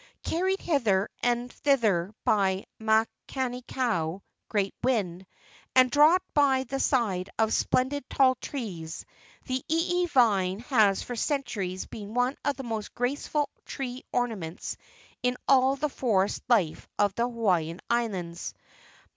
Carried hither and thither by Makani kau (great wind), and dropped by the side of splendid tall trees, the ieie vine has for centuries been one of the most graceful tree ornaments in all the forest life of the Hawaiian Islands.